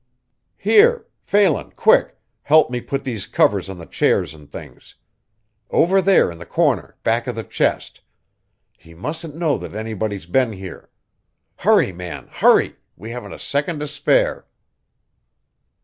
"Here! Phelan, quick help me put these covers on the chairs and things. Over there in the corner, back of the chest. He mustn't know that anybody's been here. Hurry, man; hurry! we haven't a second to spare."